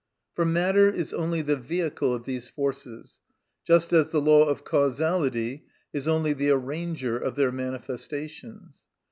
For matter is only the vehicle of these forces, just as the law of causality is only the arranger of their manifestations.